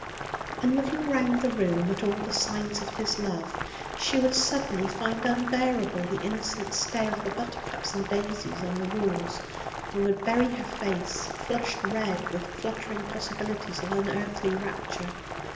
And, looking round the room at all the signs of his love, she would suddenly find unbearable the innocent stare of the buttercups and daisies on the walls, and would bury her face, flushed red with fluttering possibilities of unearthly rapture.